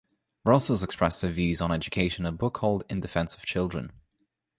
Russell expressed her views on education in a book called "In Defence of Children".